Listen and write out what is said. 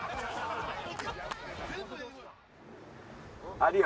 有吉。